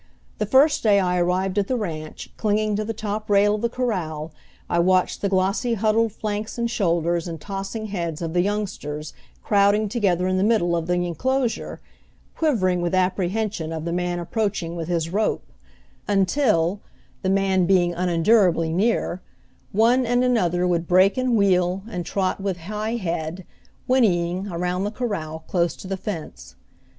The first day I arrived at the ranch, clinging to the top rail of the corral, I watched the glossy huddled flanks and shoulders and tossing heads of the youngsters crowding together in the middle of the inclosure, quivering with apprehension of the man approaching with his rope; until, the man being unendurably near, one and another would break and wheel, and trot with high head, whinnying, around the corral close to the fence.